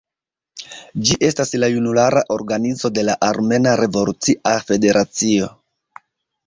Ĝi estas la junulara organizo de la Armena Revolucia Federacio.